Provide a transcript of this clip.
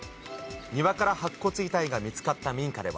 庭から白骨遺体が見つかった民家では。